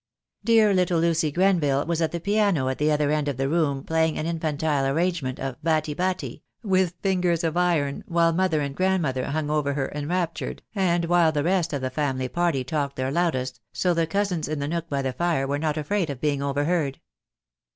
Dear little Lucy Grenville was at the piano at the other end of the room playing an infantile arrangement of "Batti, batti," with fingers of iron, while mother and grandmother hung over her enraptured, and while the rest of the family party talked their loudest, so the cousins in the nook by the fire were not afraid of being overheard.